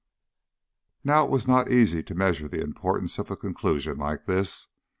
Now it was not easy to measure the importance of a conclusion like this.